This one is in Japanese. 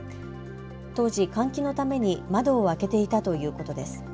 当時、換気のために窓を開けていたということです。